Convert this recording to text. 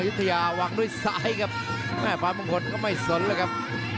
ยุธยาวางด้วยซ้ายครับแม่ฟ้ามงคลก็ไม่สนเลยครับ